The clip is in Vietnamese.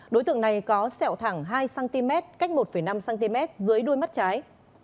đối tượng này có sẹo thẳng hai cm cách một năm cm dưới đuôi mắt trái